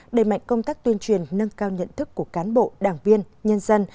đẩy mạnh công tác tuyên truyền nâng cao nhận thức của cán bộ đảng viên nhân dân